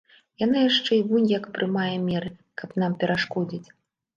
Яна яшчэ і вунь як прымае меры, каб нам перашкодзіць.